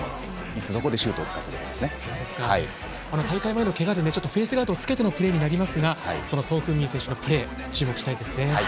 いつどこで大会前のけがでフェースガードをつけてのプレーになりますがソン・フンミン選手のプレー注目したいですね。